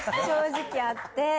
正直あって。